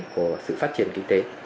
của sự phát triển kinh tế